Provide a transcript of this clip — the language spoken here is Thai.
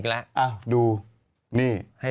อ้าวดูนี่